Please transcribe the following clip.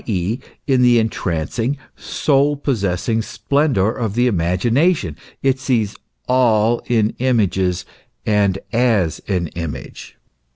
e., in the entrancing, soul possessing splendour of the imagination, it sees all in images and as an image.